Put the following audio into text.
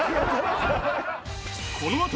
このあと！